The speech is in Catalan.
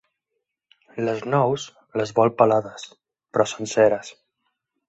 Les nous les vol pelades, però senceres.